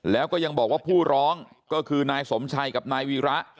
แล้วก็ยังบอกว่าผู้ร้องก็คือนายสมชัยกับนายวีระ